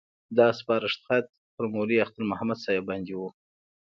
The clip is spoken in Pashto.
دا سپارښت خط پر مولوي اختر محمد صاحب باندې وو.